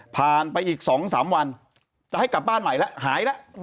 ไปอีก๒๓วันจะให้กลับบ้านใหม่แล้วหายแล้ว